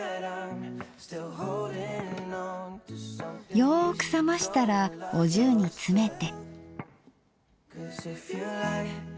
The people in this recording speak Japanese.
よく冷ましたらお重に詰めて。